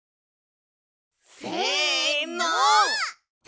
せの！